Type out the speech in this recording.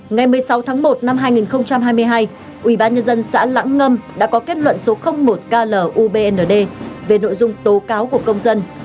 ngày một mươi sáu tháng một năm hai nghìn hai mươi hai ubnd xã lãng ngâm đã có kết luận số một klubnd về nội dung tố cáo của công dân